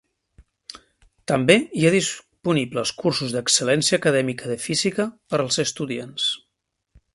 També hi ha disponibles cursos d'excel·lència acadèmica de física per als estudiants.